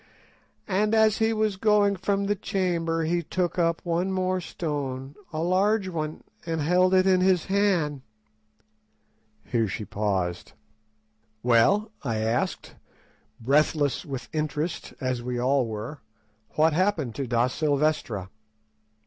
And as he was going from the chamber he took up one more stone, a large one, and held it in his hand." Here she paused. "Well," I asked, breathless with interest as we all were, "what happened to Da Silvestra?"